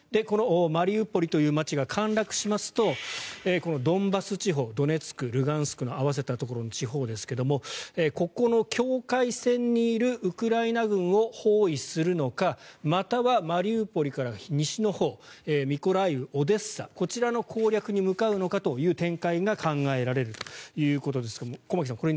このマリウポリという街が陥落しますとドンバス地方ドネツク、ルガンスクを合わせたところの地方ですがここの境界線にいるウクライナ軍を包囲するのかまたはマリウポリから西のほうミコライウ、オデッサこちらの攻略に向かうのかという展開が考えられるということですが駒木さん